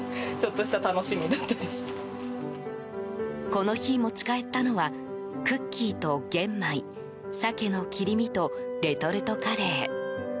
この日、持ち帰ったのはクッキーと玄米サケの切り身とレトルトカレー。